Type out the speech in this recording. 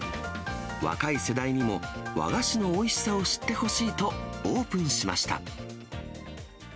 若い世代にも和菓子のおいしさを知ってほしいと、オープンしました。